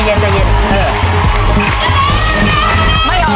เออออกแล้วมา